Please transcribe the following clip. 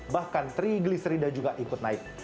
bahkan triglycerida juga ikut naik